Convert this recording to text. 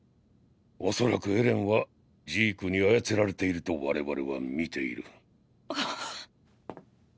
恐らくエレンはジークに操られていると我々は見ている。！！